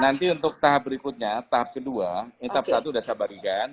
nanti untuk tahap berikutnya tahap kedua ini tahap satu sudah sabarkan